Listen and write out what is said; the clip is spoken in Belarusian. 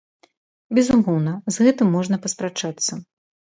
Безумоўна, з гэтым можна паспрачацца.